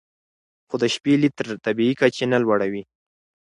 خو د شپې لید تر طبیعي کچې نه لوړوي.